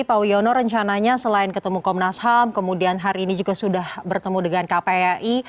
pak wiono rencananya selain ketemu komnas ham kemudian hari ini juga sudah bertemu dengan kpai